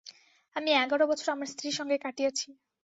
আমি এগার বছর আমার স্ত্রীর সঙ্গে কাটিয়েছি।